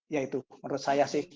ya itu menurut saya sih